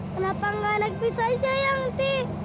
kenapa enggak lagi saja yang ti